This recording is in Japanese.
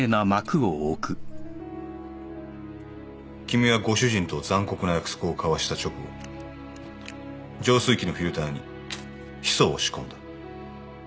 君はご主人と残酷な約束を交わした直後浄水器のフィルターにヒ素を仕込んだ。